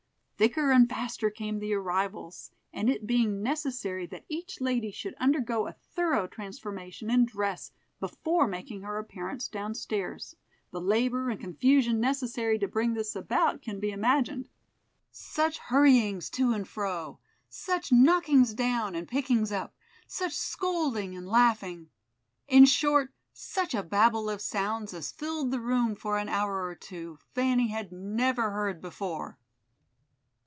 Thicker and faster came the arrivals, and it being necessary that each lady should undergo a thorough transformation in dress, before making her appearance down stairs, the labor and confusion necessary to bring this about can be imagined. Such hurryings to and fro, such knockings down and pickings up, such scolding and laughing, in short such a Babel of sounds as filled the room for an hour or two, Fanny had never heard before.